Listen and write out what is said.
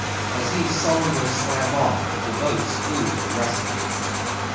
As he sullenly swam off, the boats flew to the rescue.